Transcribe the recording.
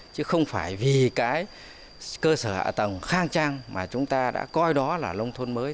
chứ không phải vì cái cơ sở hạ tầng khang trang mà chúng ta đã coi đó là nông thôn mới